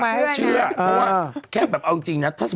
แต่ทุกวันนี้มันก็